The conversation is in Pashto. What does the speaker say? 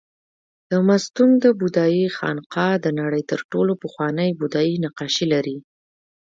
د مستونګ د بودایي خانقاه د نړۍ تر ټولو پخواني بودایي نقاشي لري